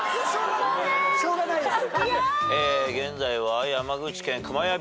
しょうがないです！